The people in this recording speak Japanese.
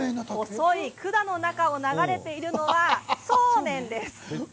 細い管の中を流れているのはそうめんです。